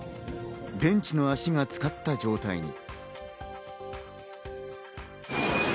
ベンチの脚がつかった状態に。